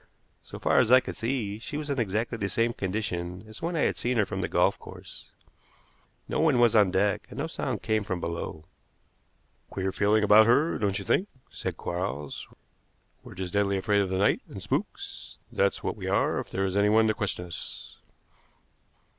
So far as I could see, she was in exactly the same condition as when I had seen her from the golf course. No one was on deck, and no sound came from below. "Queer feeling about her, don't you think?" said Quarles. "We're just deadly afraid of the night and spooks, that's what we are if there is anyone to question us."